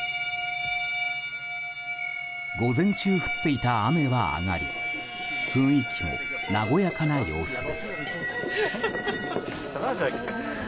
午前中、降っていた雨は上がり雰囲気も和やかな様子です。